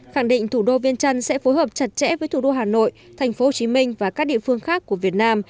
khẳng định thủ đô viêng trăn sẽ phối hợp chặt chẽ với thủ đô hà nội tp hcm và các địa phương khác của việt nam